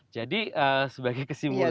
jadi sebagai kesimpulan